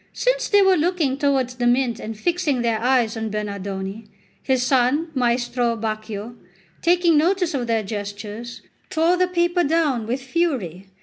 Since they were looking towards the mint and fixing their eyes on Bernardone, his son, Maestro Baccio, taking notice of their gestures, tore the paper down with fury.